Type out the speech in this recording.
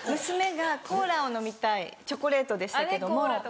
娘がコーラを飲みたいチョコレートでしたけども。